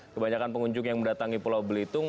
kebanyakan pengunjung yang mendatangi pulau belitung